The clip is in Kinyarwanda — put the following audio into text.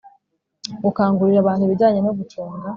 Gukangurira abantu ibijyanye no gucunga